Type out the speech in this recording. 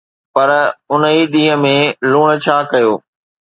پر اُن ئي ڏينهن ۾ لوڻ ڇا ڪيو؟